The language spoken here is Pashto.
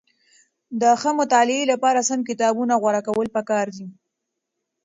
د ښه مطالعې لپاره سم کتابونه غوره کول پکار دي.